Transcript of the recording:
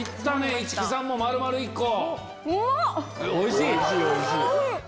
市來さんも丸々１個。